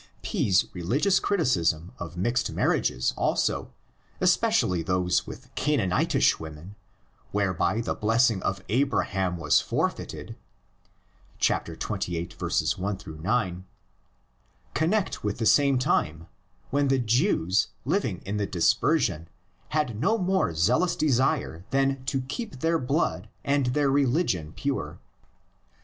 P's religious criticism of mixed marriages also, especially those with Canaanitish women, whereby the blessing of Abraham was forfeited Txxviii. I 9) connect with the same time, when the Jews, living in the Dispersion, had no more zealous desire than to keep their blood and their religion pure.